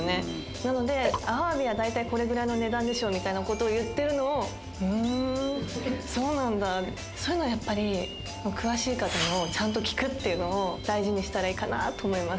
なので、アワビは大体これぐらいの値段でしょみたいなことを言ってるのを、ふーん、そうなんだ、そういうのやっぱり、詳しい方のをちゃんと聞くっていうのを大事にしたらいいかなと思います。